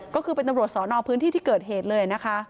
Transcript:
ก็คือเป็นตำรวจสอนอพื้นที่ที่เกิดเหตุเลยนะคะ